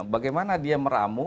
bagaimana dia meramu